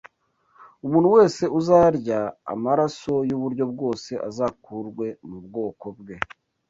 Umuntu wese uzarya amaraso y’uburyo bwose azakurwe mu bwoko bwe”